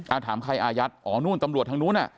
ถามใครอายัดอ๋อนู่นตำรวจทางนู้นอ่ะ